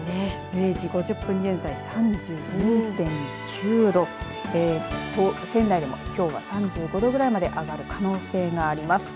０時５０分現在３２．９度仙台でも、きょうは３５度ぐらいまで上がる可能性があります。